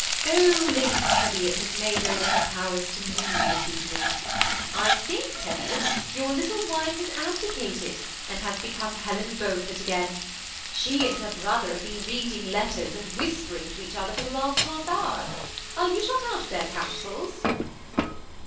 " Oh, Lady Teviot has made over her powers to me this evening. I think, Teviot, your little wife has ab dicated, and has become Helen Beaufort' again. She and her brother have been reading letters, and whisper ing to each other for the last half hour. Are you shut out of their councils